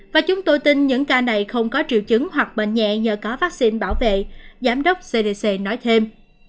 và chúng tôi tin những ca này không có triệu chứng hoặc bệnh nhẹ nhờ có vaccine bảo vệ giám đốc cdc nói thêm